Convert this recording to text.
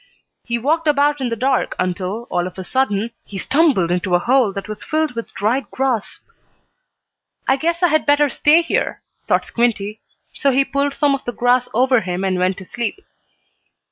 He walked about in the dark until, all of a sudden, he stumbled into a hole that was filled with dried grass. "I guess I had better stay here," thought Squinty. So he pulled some of the grass over him, and went to sleep.